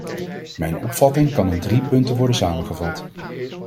Mijn opvatting kan in drie punten worden samengevat.